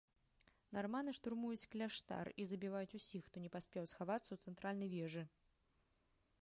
Нарманы штурмуюць кляштар і забіваюць усіх, хто не паспеў схавацца ў цэнтральнай вежы.